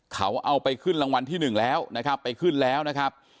เขาเอาไปขึ้นรางวัลที่หนึ่งแล้วนะครับไปขึ้นแล้วนะครับ